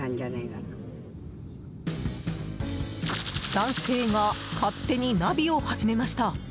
男性が勝手にナビを始めました。